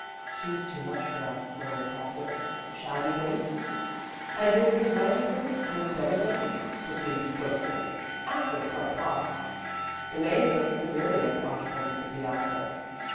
She's too much for us," murmured Katherine. "Shall we wait?" "And is Miss Wales in Miss Betty Wales?" pursued the spokesman, after a slight pause. The maid looked severely at the occupants of the piazza.